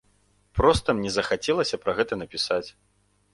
Проста мне захацелася пра гэта напісаць.